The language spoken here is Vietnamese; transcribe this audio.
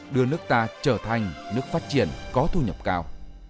đưa nước ta trở thành nước phát triển có thu nhập cao